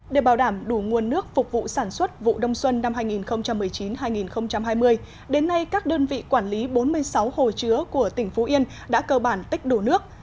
để bảo đảm đủ nguồn nước phục vụ sản xuất vụ đông xuân năm hai nghìn một mươi chín hai nghìn hai mươi đến nay các đơn vị quản lý bốn mươi sáu hồ chứa của tỉnh phú yên đã cơ bản tích đủ nước